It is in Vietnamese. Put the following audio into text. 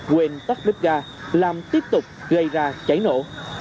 quên tắt ga làm tiếp tục gây ra cháy nổ